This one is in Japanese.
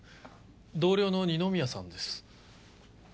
同僚の二宮さんです。